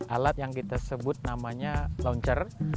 alat yang kita sebut namanya launcher